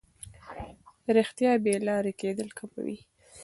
رښتیا بې لارې کېدل کموي.